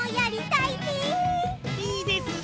いいですね！